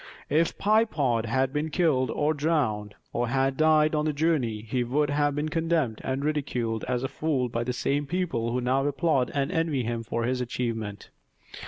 If Pye Pod had been killed or drowned, or had died on the journey he would have been condemned and ridiculed as a fool by the same people who now applaud and envy him for his achievement.